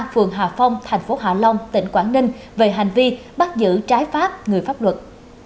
phường hà phong thành phố hạ long tỉnh quảng ninh về hành vi bắt giữ trái pháp người pháp luật